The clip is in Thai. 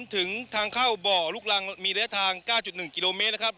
ถึงทางเข้าบ่อลูกรังมีระยะทาง๙๑กิโลเมตรนะครับ